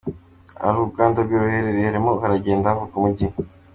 Aha uruganda rwe ruherereye, harimo haragenda havuka umujyi.